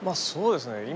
そうですね。